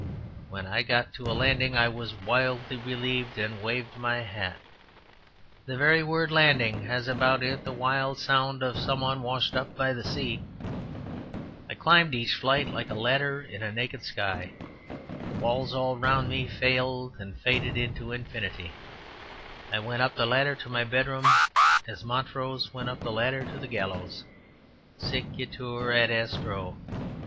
When I got to a landing I was wildly relieved, and waved my hat. The very word "landing" has about it the wild sound of some one washed up by the sea. I climbed each flight like a ladder in naked sky. The walls all round me failed and faded into infinity; I went up the ladder to my bedroom as Montrose went up the ladder to the gallows; sic itur ad astro.